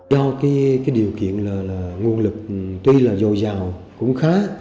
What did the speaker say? do cái điều kiện là nguồn lực tuy là dồi dào cũng khá